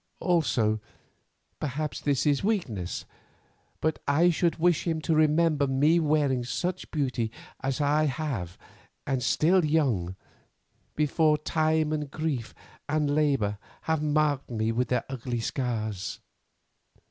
Also, perhaps this is weakness, but I should wish him to remember me wearing such beauty as I have and still young, before time and grief and labour have marked me with their ugly scars.